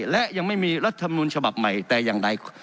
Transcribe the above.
และยังไม่มีรัฐธรรมนุนฉบับใหม่แต่อย่างใด